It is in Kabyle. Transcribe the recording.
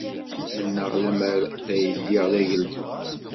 Mennaɣ lemmer d ay lliɣ d ageldun.